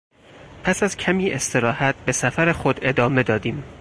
پس از کمی استراحت به سفر خود ادامه دادیم.